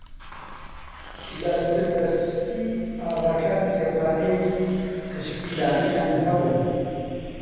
لە تربەسپی ئاغاکان کتێبخانەیەکی قشپیلانەیان هەبوو